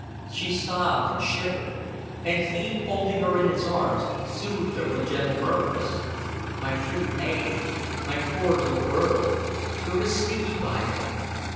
She sobbed and shivered; and he, holding her in his arms, soothed her with gentle murmurs. "My pretty Mav! My poor little bird. Go to sleepy by, then.